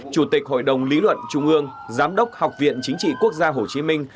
chủ tịch hội đồng lý luận trung ương giám đốc học viện chính trị quốc gia hồ chí minh